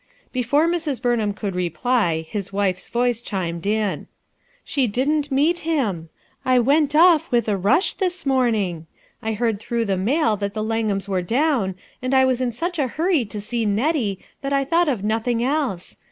Before Mrs, Burnham could reply, his wife's voice chimed in. "She didn't meet him. I went off with a rush, this morning. I heard through the mail that the Langhams were down, and I was in such a hurry to see Nettie that I thought of nothing else.